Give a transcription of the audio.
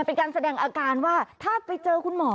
เป็นการแสดงอาการว่าถ้าไปเจอคุณหมอ